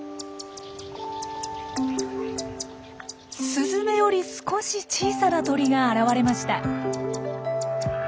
スズメより少し小さな鳥が現れました。